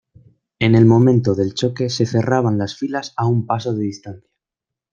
En el momento del choque se cerraban las filas a un paso de distancia.